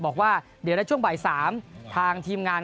บอกว่าเดี๋ยวในช่วงบ่าย๓ทางทีมงาน